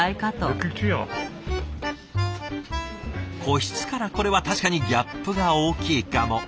個室からこれは確かにギャップが大きいかも。